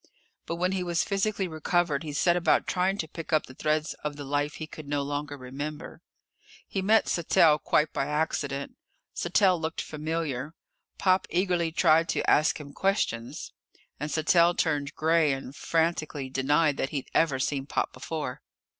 But when he was physically recovered he set about trying to pick up the threads of the life he could no longer remember. He met Sattell quite by accident. Sattell looked familiar. Pop eagerly tried to ask him questions. And Sattell turned gray and frantically denied that he'd ever seen Pop before.